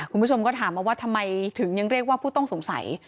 คุณผู้ชมก็ถามมาว่าทำไมถึงยังเรียกว่าผู้ต้องสงสัย